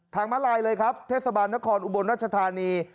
มาลายเลยครับเทศบาลนครอุบลรัชธานี